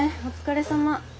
お疲れさま。